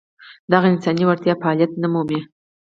د هغه انساني وړتیاوې فعلیت نه مومي.